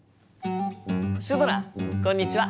シュドラこんにちは！